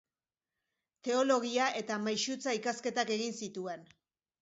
Teologia eta Maisutza ikasketak egin zituen.